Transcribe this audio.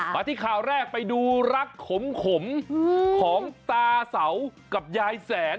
มาที่ข่าวแรกไปดูรักขมของตาเสากับยายแสน